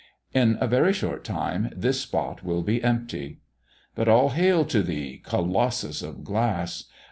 In a very short time this spot will be empty. But all hail to thee, Colossus of glass!